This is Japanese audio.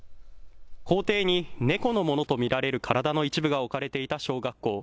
校庭に猫のものと見られる体の一部が置かれていた小学校。